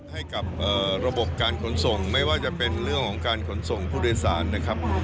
ให้กับระบบการขนส่งไม่ว่าจะเป็นเรื่องของการขนส่งผู้โดยสารนะครับ